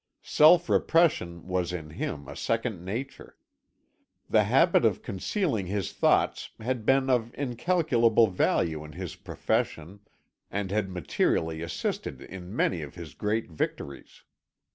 Self repression was in him a second nature. The habit of concealing his thoughts had been of incalculable value in his profession, and had materially assisted in many of his great victories.